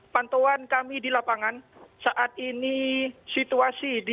pantauan kami di lapangan saat ini situasi di